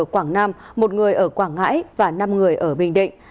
ở quảng nam một người ở quảng ngãi và năm người ở bình định